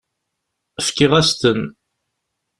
Fkiɣ-as-ten.